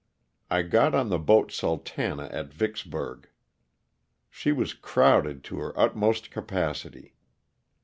I got on the boat "Sultana'* at Vicksburg. She was crowded to her utmost capacity.